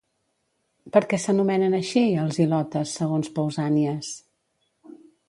Per què s'anomenen així els ilotes, segons Pausànies?